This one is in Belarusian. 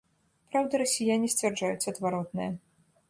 Праўда, расіяне сцвярджаюць адваротнае.